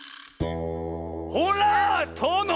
ほらとの！